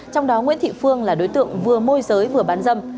trong đó nguyễn thị phương là đối tượng vừa môi giới vừa bán dâm